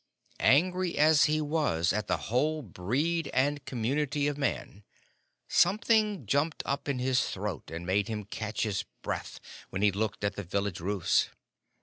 Angry as he was at the whole breed and community of Man, something jumped up in his throat and made him catch his breath when he looked at the village roofs.